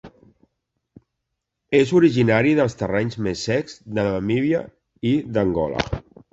És originari dels terrenys més secs de Namíbia i d'Angola.